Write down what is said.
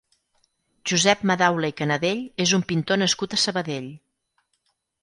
Josep Madaula i Canadell és un pintor nascut a Sabadell.